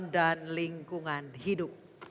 dan lingkungan hidup